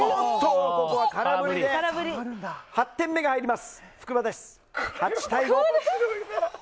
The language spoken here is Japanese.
ここは空振りで福場に８点目が入ります。